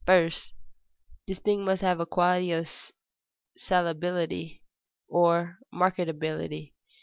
First, this thing must have the quality of salability, or marketability.